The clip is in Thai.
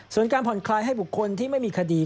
ส่วนการผ่อนคลายให้บุคคลที่ไม่มีคดี